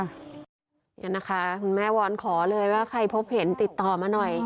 นี่นะคะคุณแม่วอนขอเลยว่าใครพบเห็นติดต่อมาหน่อย